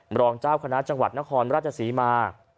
รองเจ้าคณะจังหวัดนครราชศรีมา